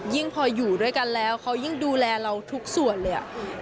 พออยู่ด้วยกันแล้วเขายิ่งดูแลเราทุกส่วนเลย